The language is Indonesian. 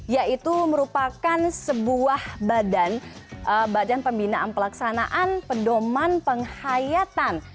yaitu merupakan sebuah badan badan pembinaan pelaksanaan pendoman penghayatan